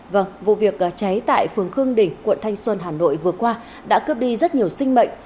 vâng vụ việc cháy tại phường khương đình quận thanh xuân hà nội vừa qua đã cướp đi rất nhiều sinh mệnh